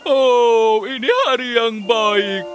oh ini hari yang baik